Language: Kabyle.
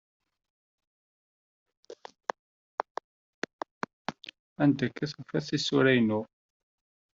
Anda ay tufa tisura-inu?